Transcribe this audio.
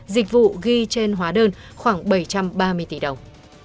dịch vụ ghi trên hóa đơn khoảng bảy trăm ba mươi tỷ đồng